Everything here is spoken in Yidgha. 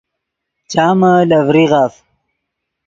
چامے لے ڤریغف